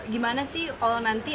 gimana sih kalau nanti